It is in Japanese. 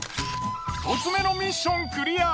１つ目のミッションクリア！